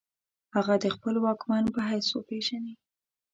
هغه د خپل واکمن په حیث وپیژني.